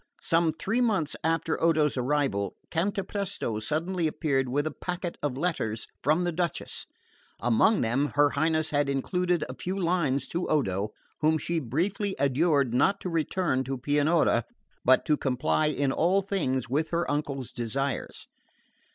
Some three months after Odo's arrival, Cantapresto suddenly appeared with a packet of letters from the Duchess. Among them her Highness had included a few lines to Odo, whom she briefly adjured not to return to Pianura, but to comply in all things with her uncle's desires.